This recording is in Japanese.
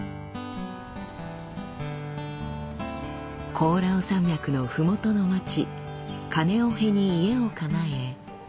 コオラウ山脈のふもとの町カネオヘに家を構え。